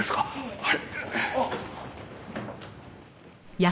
はい。